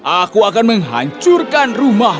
aku akan menghancurkan rumahmu